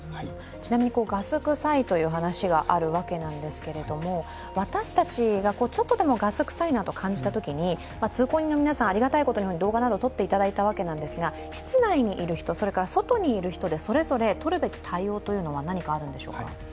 ちなみにガス臭いという話があるわけなんですけれども私たちがちょっとでもガス臭いなと感じたときに通行人の皆さん、ありがたいことに動画など撮っていただいたわけですが、室内にいる人、それから外にいる人でそれぞれとるべき対応というのは何かあるんでしょうか。